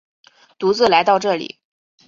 独自来到这里